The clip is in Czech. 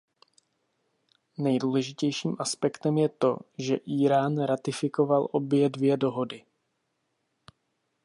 Nejdůležitějším aspektem je to, že Írán ratifikoval obě dvě dohody.